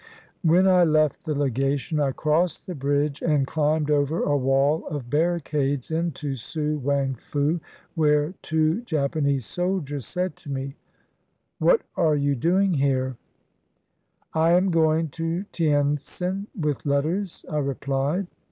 When I left the Legation, I crossed the bridge and climbed over a wall of barricades into Su Wang Fu, where two Japanese soldiers said to me, — "What are you doing here?" "I am going to Tientsin with letters," I replied.